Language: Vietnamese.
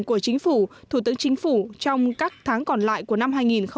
của chính phủ thủ tướng chính phủ trong các tháng còn lại của năm hai nghìn một mươi bảy